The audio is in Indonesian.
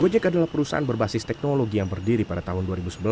gojek adalah perusahaan berbasis teknologi yang berdiri pada tahun dua ribu sebelas